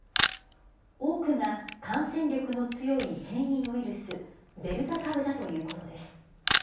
多くが感染力の強い変異ウイルス、デルタ株だということです。